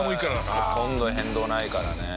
ほとんど変動ないからね。